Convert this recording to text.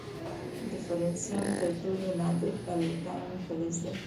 د فرنسیم تر ټولو نادر الکالین فلز دی.